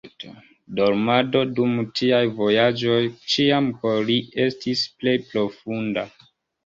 Dormado dum tiaj vojaĝoj ĉiam por li estis plej profunda.